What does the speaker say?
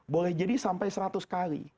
boleh jadi sampai seratus kali